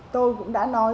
tôi cũng đã nói